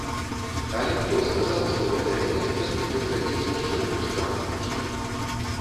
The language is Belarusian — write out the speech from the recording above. Але хто сказаў, што гэтае месца нельга зрабіць яшчэ больш рамантычным?